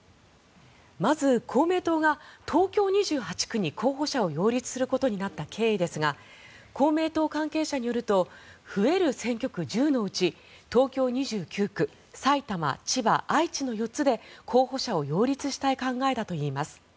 まず公明党が東京２８区に候補者を擁立することになった経緯ですが公明党関係者によると増える選挙区１０のうち東京２９区埼玉、千葉、愛知の４つで候補者を擁立したい考えだといいます。